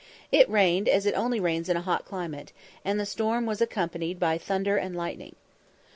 It rained as it only rains in a hot climate, and the storm was accompanied by thunder and lightning.